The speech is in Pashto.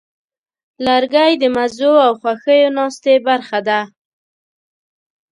لرګی د مزو او خوښیو ناستې برخه ده.